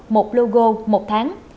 một logo một tháng